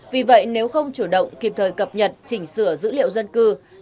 vì vậy nếu không chủ động kịp thời cập nhật chỉnh sửa dữ liệu dân cư